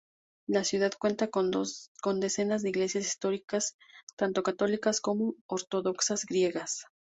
La ciudad cuenta con decenas de iglesias históricas, tanto católicas como ortodoxas griegas.